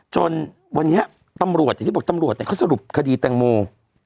จนวันนี้ตำรวจอย่างที่บอกตำรวจเขาสรุปคดีแตงโม